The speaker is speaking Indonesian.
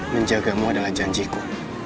menjagamu adalah janjiku